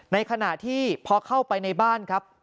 ในขณะที่พอเข้าไปในบ้านครับ